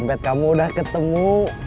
kumpet kamu udah ketemu